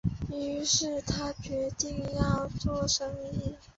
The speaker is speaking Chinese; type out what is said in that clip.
於是他决定要做生意